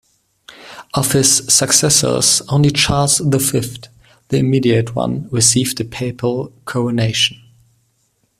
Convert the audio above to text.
Of his successors only Charles the Fifth, the immediate one, received a papal coronation.